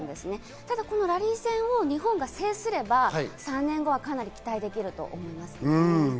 ただ、このラリー戦を日本が制すれば、３年後はかなり期待できると思います。